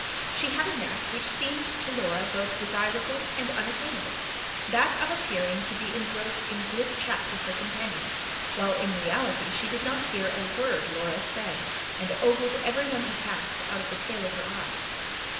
She had a knack which seemed to Laura both desirable and unattainable: that of appearing to be engrossed in glib chat with her companion, while in reality she did not hear a word Laura said, and ogled everyone who passed, out of the tail of her eye.